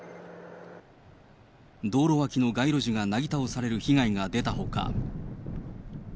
道路脇の街路樹がなぎ倒される被害が出たほか。